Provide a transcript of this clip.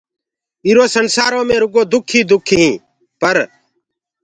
ايٚرو سنسآرو مي رُگو دُک ئي دُک ئينٚ پر